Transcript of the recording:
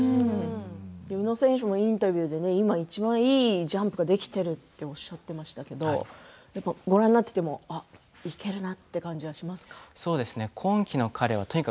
宇野選手のインタビューで今いちばんいいジャンプができているとおっしゃっていましたけれどもご覧になっていてもいけるなという感じがしますか。